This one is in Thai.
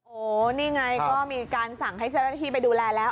โอ้โหนี่ไงก็มีการสั่งให้เจ้าหน้าที่ไปดูแลแล้ว